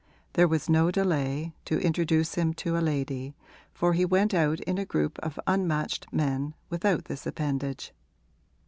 There was no delay, to introduce him to a lady, for he went out in a group of unmatched men, without this appendage.